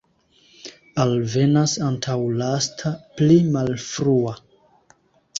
Alvenas antaulasta, pli malfrua.